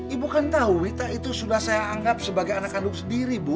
ibu kan tahu wita itu sudah saya anggap sebagai anak kandung sendiri bu